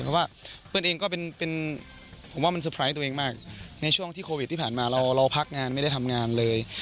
เพราะว่าเปิ้ลเองก็เป็นผมว่ามันเตอร์ไพรส์ตัวเองมากในช่วงที่โควิดที่ผ่านมาเราพักงานไม่ได้ทำงานเลย